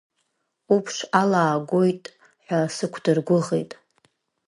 Уԥш алаагоит ҳәа сақәдыргәыӷит.